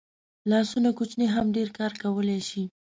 لاسونه کوچني هم ډېر کار کولی شي